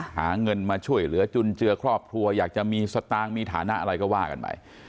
หาเงินมาช่วยเหลือจุนเจือครอบครัวอยากจะมีสตางค์มีฐานะอะไรก็ว่ากันไป